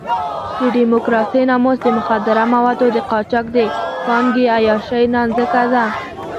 د ډیموکراسۍ ناموس د مخدره موادو د قاچاق د پانګې عیاشۍ نانځکه ده.